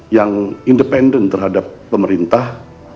yang independen terhadap pemerintah